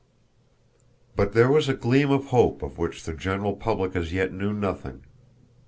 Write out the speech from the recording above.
But there was a gleam of hope of which the general public as yet knew nothing.